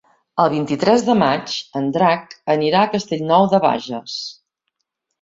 El vint-i-tres de maig en Drac anirà a Castellnou de Bages.